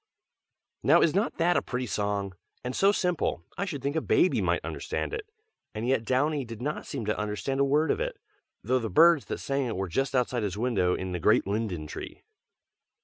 NOW is not that a pretty song? and so simple, I should think a baby might understand it. And yet Downy did not seem to understand a word of it, though the birds that sang it were just outside his window in the great linden tree.